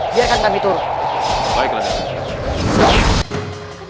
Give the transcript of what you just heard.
dia akan tak diturunkan